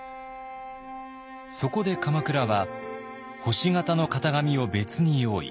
そこで鎌倉は星形の型紙を別に用意。